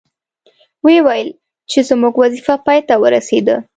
وې ویل چې زموږ وظیفه پای ته ورسیده.